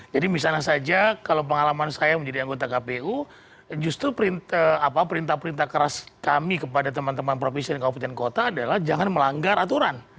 jadi misalnya saja kalau pengalaman saya menjadi anggota kpu justru perintah perintah keras kami kepada teman teman provinsi dan kabupaten kota adalah jangan melanggar aturan